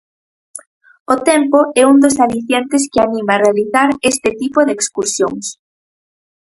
O tempo é un dos alicientes que anima a realizar este tipo de excursións.